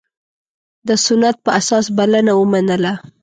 د سنت په اساس بلنه ومنله.